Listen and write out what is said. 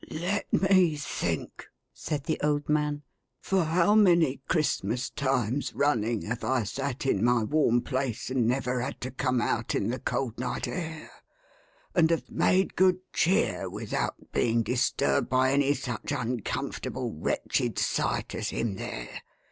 " Let me think," said the old man. " For how many Christmas times running, have I sat in my warm place, and never had to come out in the cold night air ; and have made good cheer, without being disturbed by 'any such uncomfort able, wretched sight as him there